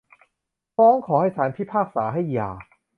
ฟ้องขอให้ศาลพิพากษาให้หย่า